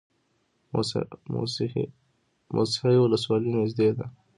موسهي ولسوالۍ نږدې ده؟